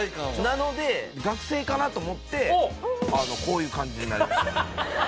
なので学生かなと思ってこういう感じになりました。